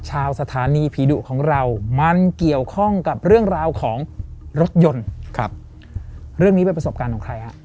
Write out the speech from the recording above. สถานีผีดุของเรามันเกี่ยวข้องกับเรื่องราวของรถยนต์ครับเรื่องนี้เป็นประสบการณ์ของใครฮะ